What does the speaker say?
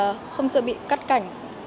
đủ nội dung mà không sợ bị cắt cảnh